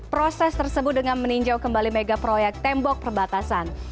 proses tersebut dengan meninjau kembali mega proyek tembok perbatasan